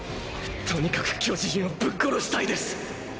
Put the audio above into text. とにかく巨人をぶっ殺したいです。